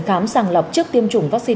hẹn gặp lại